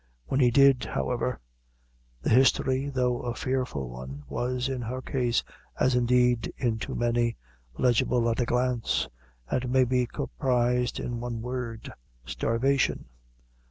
When he did, however, the history, though a fearful one, was, in her case, as indeed in too many, legible at a glance, and may be comprised in one word starvation.